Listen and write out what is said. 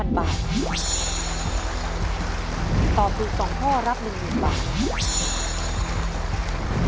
ตอบถูก๒ข้อรับ๑๐๐๐บาท